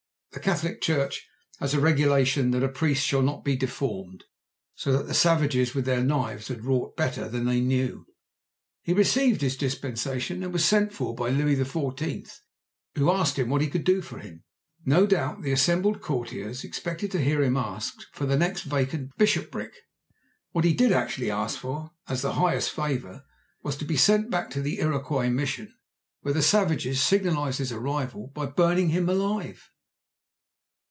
The Catholic Church has a regulation that a priest shall not be deformed, so that the savages with their knives had wrought better than they knew. He received his dispensation and was sent for by Louis XIV., who asked him what he could do for him. No doubt the assembled courtiers expected to hear him ask for the next vacant Bishopric. What he did actually ask for, as the highest favour, was to be sent back to the Iroquois Mission, where the savages signalized his arrival by burning him alive.